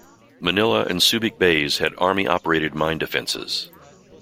Manila and Subic Bays had Army-operated mine defenses.